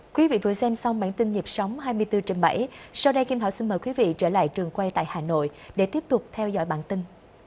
quý vị vừa xem xong bản tin nhịp sống hai mươi bốn trên bảy sau đây kim thảo xin mời quý vị trở lại trường quay tại hà nội để tiếp tục theo dõi bản tin